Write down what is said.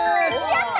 やった！